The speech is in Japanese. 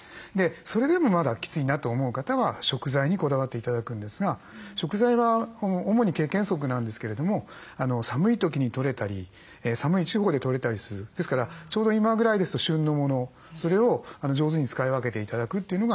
それでもまだきついなと思う方は食材にこだわって頂くんですが食材は主に経験則なんですけれども寒い時に取れたり寒い地方で取れたりするですからちょうど今ぐらいですと旬のものそれを上手に使い分けて頂くっていうのがコツなんですね。